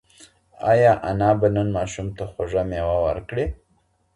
ایا انا به نن ماشوم ته خوږه مېوه ورکړي؟